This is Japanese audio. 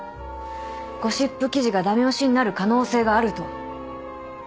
ゴシップ記事が駄目押しになる可能性があると。